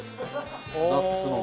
ナッツの。